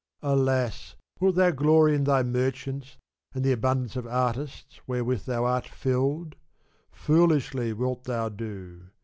Alas ! wilt thou glory in thy merchants and the abundance of artists wherewith thou art filled? Foolishly wilt thou do.